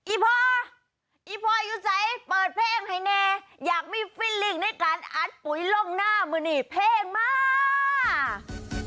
อพออีพออยู่ใสเปิดเพลงให้เนอยากมีฟิลลิ่งในการอัดปุ๋ยลงหน้ามือนี่เพลงมาก